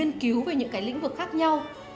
nghiên cứu về những cái lĩnh vực khác nhau